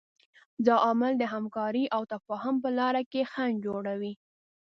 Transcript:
دا عامل د همکارۍ او تفاهم په لاره کې خنډ جوړوي.